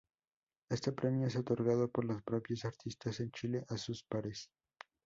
Este premio es otorgado por los propios artistas en Chile a sus pares.